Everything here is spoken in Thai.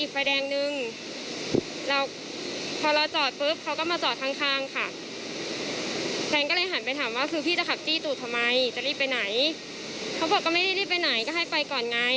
เขาบอกก็ไม่ได้รีบไปไหนก็ให้ไปก่อนไง